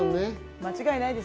間違いないです。